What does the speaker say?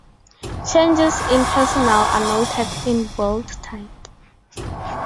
Changes in personnel are noted in bold type.